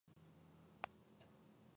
ده دا لیکنه د ځان لپاره نه کوله.